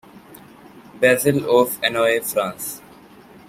Basil of Annonay, France.